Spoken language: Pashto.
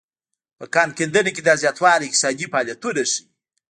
په کان کیندنه کې دا زیاتوالی اقتصادي فعالیتونه ښيي.